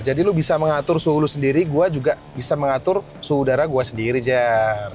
jadi lo bisa mengatur suhu lu sendiri gue juga bisa mengatur suhu udara gue sendiri jar